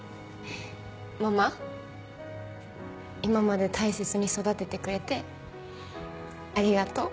今まで大切に育ててくれてありがとう。